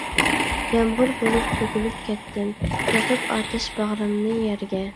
يامغۇر بولۇپ تۆكۈلۈپ كەتتىم، يېقىپ ئاتەش باغرىمنى يەرگە.